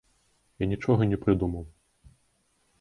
Я нічога не прыдумаў.